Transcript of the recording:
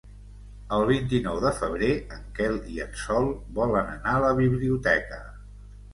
El vint-i-nou de febrer en Quel i en Sol volen anar a la biblioteca.